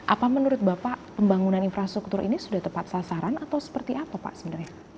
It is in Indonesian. apa menurut bapak pembangunan infrastruktur ini sudah tepat sasaran atau seperti apa pak sebenarnya